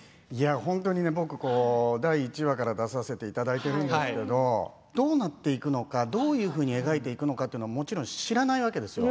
僕第１話から出させていただいてるんですけどどうなっていくのかどういうふうに描いていくのかもちろん知らないわけですよ。